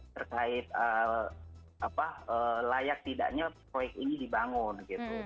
terkait layak tidaknya proyek ini dibangun gitu